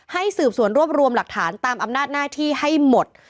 ให้สืบสวนรวบรวมหลักฐานตามอำนาจหน้าที่ให้หมด